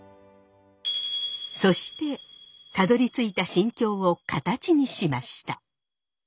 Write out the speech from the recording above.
そしてたどりついた心境を形にしました。